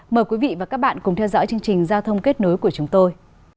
mời quý vị và các bạn cùng theo dõi chương trình giao thông kết nối của chúng tôi